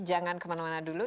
jangan kemana mana dulu